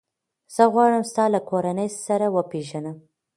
زه غواړم ستا له کورنۍ سره وپېژنم.